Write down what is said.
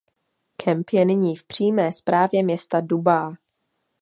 Kemp je nyní v přímé správě města Dubá.